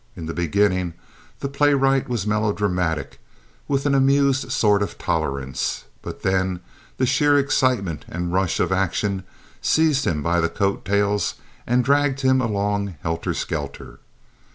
In the beginning, the playwright was melodramatic with an amused sort of tolerance, but then the sheer excitement and rush of action seized him by the coattails and dragged him along helter skelter.